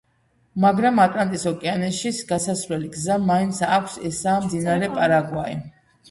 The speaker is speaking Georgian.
მაგრამ ატლანტის ოკეანეში გასასვლელი გზა მაინც აქვს ესაა მდინარე პარაგვაი.